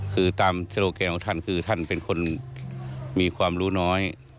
คือตามโซโลแกนของท่านคือท่านเป็นคนมีความรู้น้อย